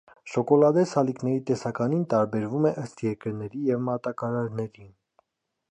Շոկոլադե սալիկների տեսականին տարբերվում է ըստ երկների և մատակարարների։